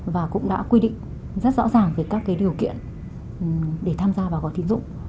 và cũng đã quy định rất rõ ràng về các điều kiện để tham gia vào gói tín dụng